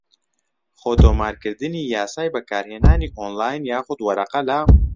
خۆتۆمارکردنی یاسای بەکارهێنانی ئۆنلاین یاخود وەرەقە لە